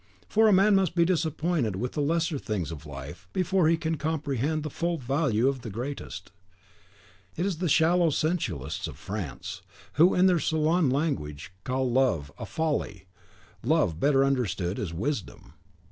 For man must be disappointed with the lesser things of life before he can comprehend the full value of the greatest. It is the shallow sensualists of France, who, in their salon language, call love "a folly," love, better understood, is wisdom.